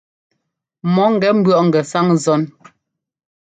Mɔ ńgɛ ḿbʉ̈ɔʼ ŋgɛsáŋ zɔn.